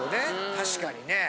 確かにねぇ。